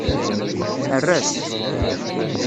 Err-as.